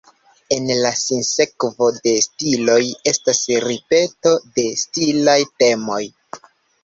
En la sinsekvo de stiloj, estas ripeto de stilaj temoj.